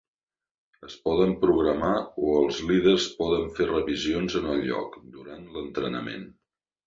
Es poden programar o els líders poden fer revisions en el lloc, durant l'entrenament.